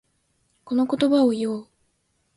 この言葉を言おう。